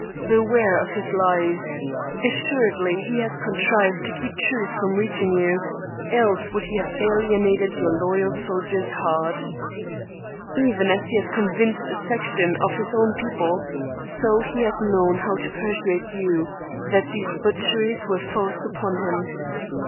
Beware of his lies! Assuredly he has contrived to keep truth from reaching you, else would he have alienated your loyal soldier's heart. Even as he has convinced a section of his own people, so he has known how to persuade you that these butcheries were forced upon him.